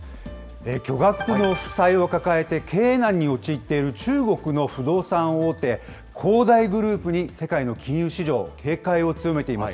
巨額の負債を抱えて経営難に陥っている中国の不動産大手、恒大グループに世界の金融市場、警戒を強めています。